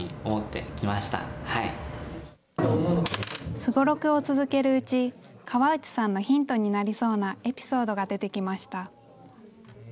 すごろくを続けるうち、川内さんのヒントになりそうなエピソードが出てきました。